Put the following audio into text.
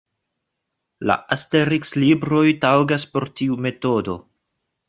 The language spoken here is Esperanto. La Asteriks-libroj taŭgas por tiu metodo.